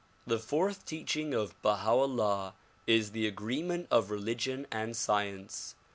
The fourth teaching of Baha 'Ullah is the agreement of religion and science.